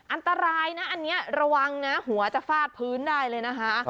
อันตรายนะอันนี้ระวังนะหัวจะฟาดพื้นได้เลยนะคะ